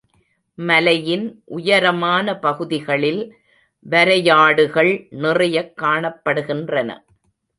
மலையின் உயரமான பகுதிகளில் வரையாடுகள் நிறையக் காணப்படுகின்றன.